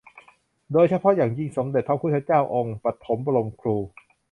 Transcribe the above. โดยเฉพาะอย่างยิ่ง สมเด็จพระพุทธเจ้าองค์ปฐมบรมครู